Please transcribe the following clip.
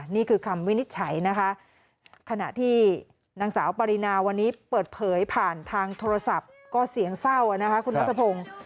นี่คือคำวินิจฉัยนะคะขณะที่นางสาวปรินาวันนี้เปิดเผยผ่านทางโทรศัพท์ก็เสียงเศร้านะคะคุณนัทพงศ์